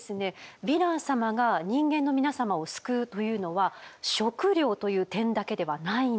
ヴィラン様が人間の皆様を救うというのは食料という点だけではないんです。